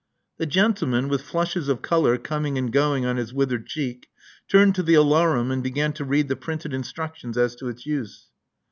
The gentleman, with flushes of color coming and going on his withered cheek, turned to the alarum and began to read the printed instructions as to its use.